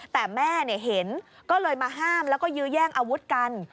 แต่แม่เห็นก็เลยมาห้ามแล้วก็ยื้อแย่งอาวุธกัน